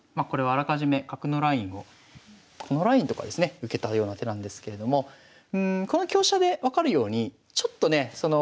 これはあらかじめ角のラインをこのラインとかですね受けたような手なんですけれどもこの香車で分かるようにちょっとね